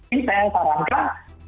ini saya sarankan